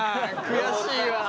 悔しいわ。